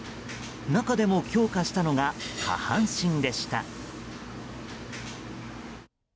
中でも、強化したのが下半身でした。